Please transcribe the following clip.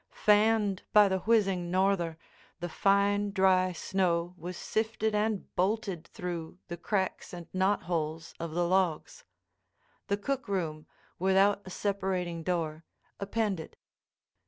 Fanned by the whizzing norther, the fine, dry snow was sifted and bolted through the cracks and knotholes of the logs. The cook room, without a separating door, appended.